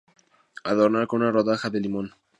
Adornar con una rodaja de limón.